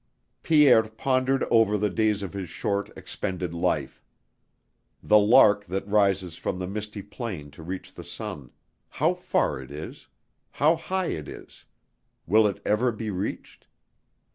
Pierre pondered over the days of his short, expended life. The lark that rises from the misty plain to reach the sun.... How far it is! How high it is! Will it ever be reached?...